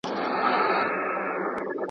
هیوادونه د کلتوري اثارو د ساتنې لپاره هڅي کوي.